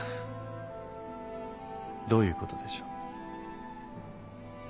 どういう事でしょう？